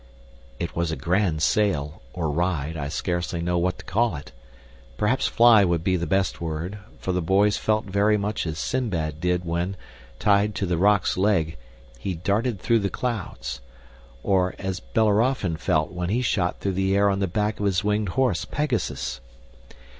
It was a grand sail, or ride, I scarcely know which to call it; perhaps FLY would be the best word, for the boys felt very much as Sinbad did when, tied to the roc's leg, he darted through the clouds; or as Bellerophon felt when he shot through the air on the back of his winged horse Pegasus.